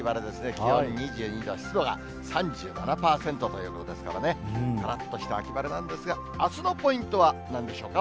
気温２２度、湿度が３７％ということですからね、からっとした秋晴れなんですが、あすのポイントはなんでしょうか。